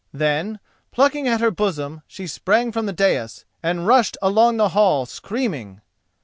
Then, plucking at her bosom she sprang from the dais and rushed along the hall, screaming.